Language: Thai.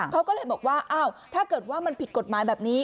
เขาก็เลยบอกว่าอ้าวถ้าเกิดว่ามันผิดกฎหมายแบบนี้